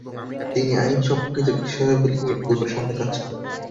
তিনি আইন সম্পর্কিত বিষয়াবলী নিয়ে পুরো সময় কাজ করেন।